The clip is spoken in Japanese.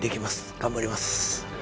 頑張ります。